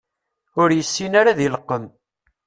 Ur yessin ara ad ileqqem.